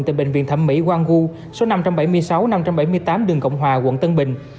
tại bệnh viện thẩm mỹ quang gu số năm trăm bảy mươi sáu năm trăm bảy mươi tám đường cộng hòa quận tân bình